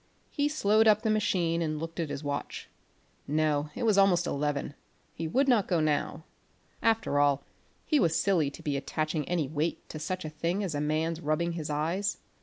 He slowed up the machine and looked at his watch. No, it was almost eleven; he would not go now. After all he was silly to be attaching any weight to such a thing as a man's rubbing his eyes.